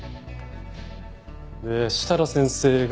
で設楽先生が。